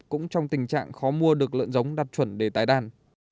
cũng trong tình trạng khó mua được lợn giống đạt chuẩn để tái đàn